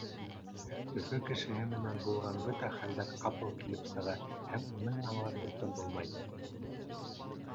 Өфө кешеһе менән булған бөтә хәлдәр ҡапыл килеп сыға һәм уны аңлатып та булмай.